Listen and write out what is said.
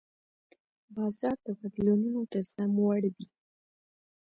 بازار د بدلونونو د زغم وړ وي.